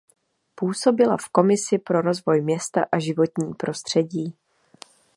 Působila v Komisi pro rozvoj města a životní prostředí.